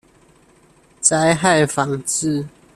災害防治